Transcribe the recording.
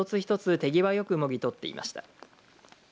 手際よくもぎ取っていました。